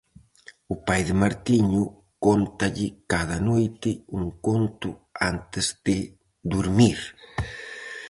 O pai de Martiño cóntalle cada noite un conto antes de durmir.